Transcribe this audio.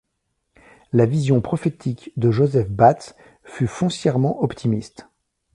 La vision prophétique de Joseph Bates fut foncièrement optimiste.